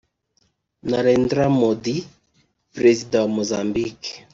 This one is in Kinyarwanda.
Narendra Modi; Perezida wa Mozambique